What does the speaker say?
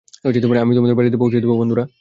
আমি তোমাদের বাড়িতে পৌঁছিয়ে দেব, বন্ধুরা।